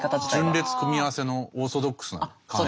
順列組み合わせのオーソドックスな考え方。